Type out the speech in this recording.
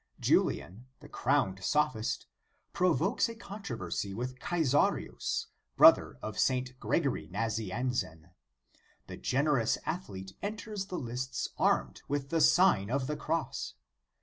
Julian, the crowned sophist, provokes a controversy with Caesarius, brother of St. Gregory Nazianzen. The generous athlete enters the lists armed with the Sign of the Cross.